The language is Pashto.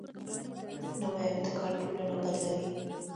نوی ابتکار ټولنه بدلوي